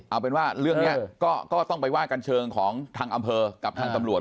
เอาเป็นว่าเรื่องนี้ก็ต้องไปว่ากันเชิงของทางอำเภอกับทางตำรวจ